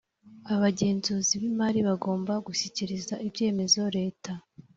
Abagenzuzi b imari bagomba gushyikiriza ibyemezo leta